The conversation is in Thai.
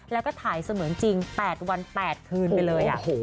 แล้วก็ถ่ายเสมือนจริง๘วัน๘คืนไปเลย